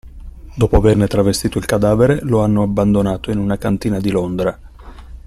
Dopo averne travestito il cadavere, lo hanno abbandonato in una cantina di Londra.